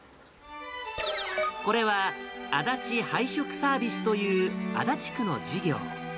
これは、あだち配食サービスという、足立区の事業。